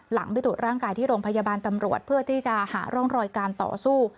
ไปตรวจร่างกายที่โรงพยาบาลตำรวจเพื่อที่จะหาร่องรอยการต่อสู้